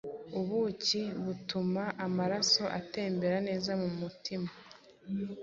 ubuki butuma amaraso atembera neza mu mutima